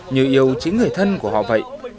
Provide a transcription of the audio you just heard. như yêu chính người thân của họ vậy